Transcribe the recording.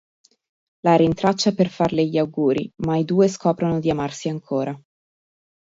La rintraccia per farle gli auguri ma i due scoprono di amarsi ancora.